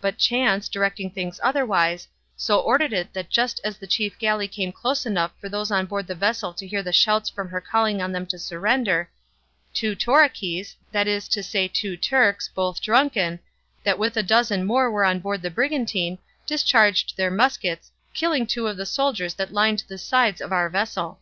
But chance, directing things otherwise, so ordered it that just as the chief galley came close enough for those on board the vessel to hear the shouts from her calling on them to surrender, two Toraquis, that is to say two Turks, both drunken, that with a dozen more were on board the brigantine, discharged their muskets, killing two of the soldiers that lined the sides of our vessel.